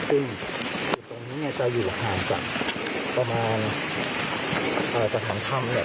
ซึ่งจุดตรงนี้เนี่ยจะอยู่ห่างจากประมาณสถานถ้ำเนี่ย